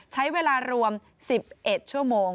ใช้เวลารวม๑๑ชั่วโมง